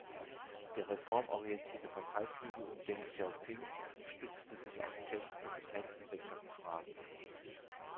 Der reformorientierte Parteiflügel um Deng Xiaoping stützte sich auf Chens Kompetenz in Wirtschaftsfragen.